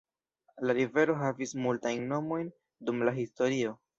La rivero havis multajn nomojn dum la historio.